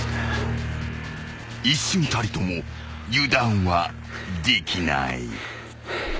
［一瞬たりとも油断はできない］